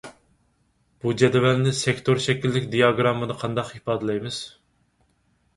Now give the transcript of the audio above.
بۇ جەدۋەلنى سېكتور شەكىللىك دىياگراممىدا قانداق ئىپادىلەيمىز؟